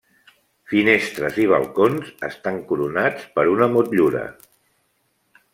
Finestres i balcons estan coronats per una motllura.